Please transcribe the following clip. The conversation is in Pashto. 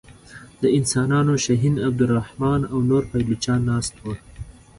د انسانانو شهین عبدالرحمن او نور پایلوچان ناست وه.